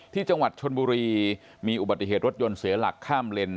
ที่จังหวัดชนบุรีมีอุบัติเหตุรถยนต์เสียหลักข้ามเลน